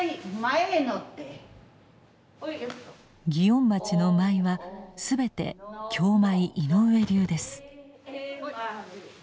祇園町の舞は全て「京舞井上流」です。